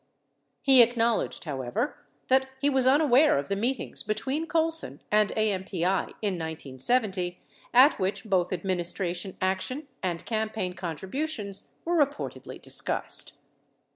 He acknowledged, how ever, that he was unaware of the meetings between Colson and AMPI in 1970 at which both administration action and campaign contribu tions were reportedly discussed.